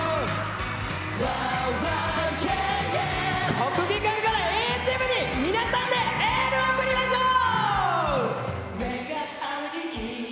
国技館から遠泳チームに皆さんでエールを送りましょう。